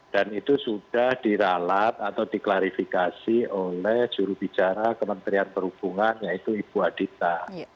itu sudah diralat atau diklarifikasi oleh jurubicara kementerian perhubungan yaitu ibu adita